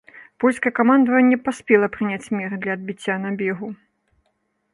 Польскае камандаванне паспела прыняць меры для адбіцця набегу.